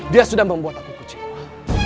dia sudah membuat aku kecewa